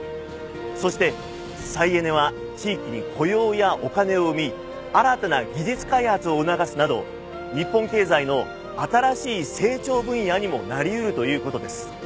そして再エネは地域に雇用やお金を生み新たな技術開発を促すなど日本経済の新しい成長分野にもなり得るという事です。